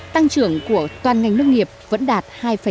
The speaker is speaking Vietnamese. tăng trưởng của toàn ngành nông nghiệp vẫn đạt hai chín mươi bốn